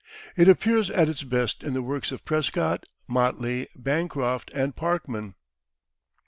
It appears at its best in the works of Prescott, Motley, Bancroft and Parkman.